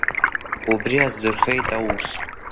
Убри аздырхеит аус.